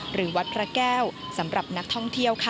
หรือวัดพระแก้วสำหรับนักท่องเที่ยวค่ะ